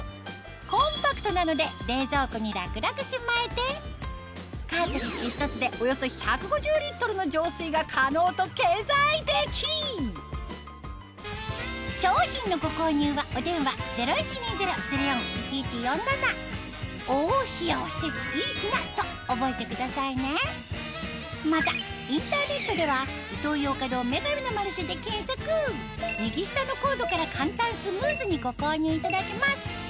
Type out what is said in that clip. コンパクトなので冷蔵庫に楽々しまえてが可能と経済的商品のご購入はお電話０１２０−０４−１１４７と覚えてくださいねまたインターネットでは右下のコードから簡単スムーズにご購入いただけます